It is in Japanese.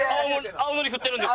青のり振ってるんです。